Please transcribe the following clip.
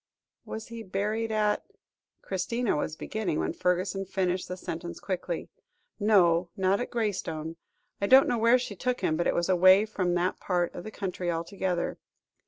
"Was he buried at " Christina was beginning, when Fergusson finished the sentence quickly. "No, not at Graystone. I don't know where she took him, but it was away from that part of the country altogether.